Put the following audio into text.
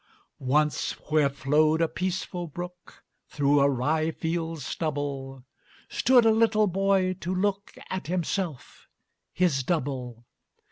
Once, where flowed a peaceful brook Through a rye field's stubble, Stood a little boy to look At himself; his double.